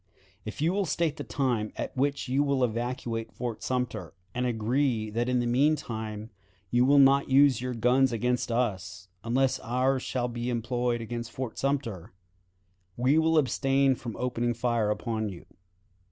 "If you will state the time at which you will evacuate Fort Sumter, and agree that in the mean time you will not use your guns against us, unless ours shall be employed against Fort Sumter, we will abstain from opening fire upon you.